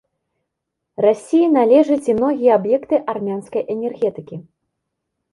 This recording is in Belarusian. Расіі належаць і многія аб'екты армянскай энергетыкі.